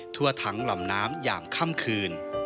ทั่วทั้งลำน้ำยามค่ำคืน